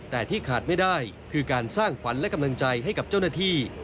แต่ที่ขาดไม่ได้คือการสร้างขวัญและกำลังใจให้กับเจ้าหน้าที่